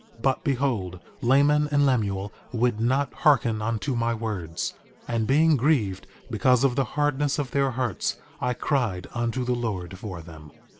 2:18 But, behold, Laman and Lemuel would not hearken unto my words; and being grieved because of the hardness of their hearts I cried unto the Lord for them.